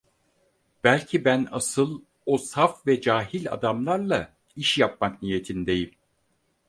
Belki ben asıl o saf ve cahil adamlarla iş yapmak niyetindeyim!